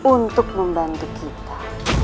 untuk membantu kita